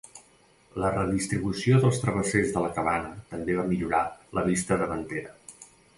La redistribució dels travessers de la cabana també va millorar la vista davantera.